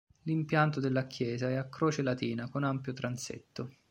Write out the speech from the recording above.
L'impianto della chiesa è a croce latina con ampio transetto.